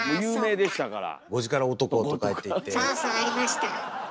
そうそうありました。